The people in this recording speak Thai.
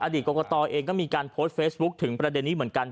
กรกตเองก็มีการโพสต์เฟซบุ๊คถึงประเด็นนี้เหมือนกัน